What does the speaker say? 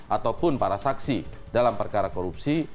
ataupun para saksi dalam perkara korupsi